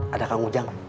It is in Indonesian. ada kang ujang